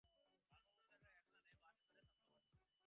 বালব্রহ্মচারীরা ঐখানে বাস করে শাস্ত্রপাঠ করবে।